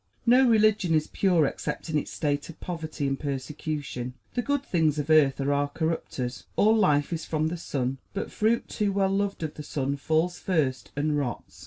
No religion is pure except in its state of poverty and persecution; the good things of earth are our corrupters. All life is from the sun, but fruit too well loved of the sun falls first and rots.